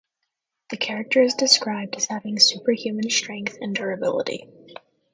The character is described as having superhuman strength and durability.